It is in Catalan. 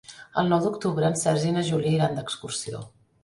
El nou d'octubre en Sergi i na Júlia iran d'excursió.